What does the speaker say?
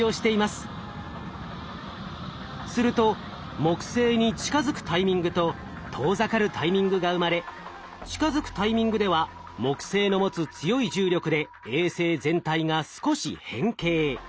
すると木星に近づくタイミングと遠ざかるタイミングが生まれ近づくタイミングでは木星の持つ強い重力で衛星全体が少し変形。